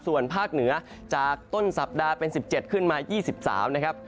ส่วนภาคเหนือจากต้นสัปดาห์เป็น๑๗ขึ้นมา๒๓นะครับ